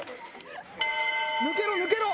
抜けろ抜けろ。